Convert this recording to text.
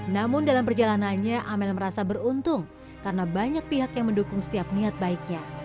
namun dalam perjalanannya amel merasa beruntung karena banyak pihak yang mendukung setiap niat baiknya